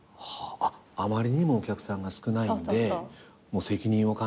あまりにもお客さんが少ないんで責任を感じて。